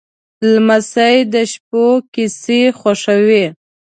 لمسی د شپو کیسې خوښوي.